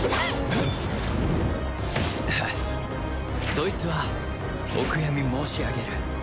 そいつはお悔やみ申し上げる。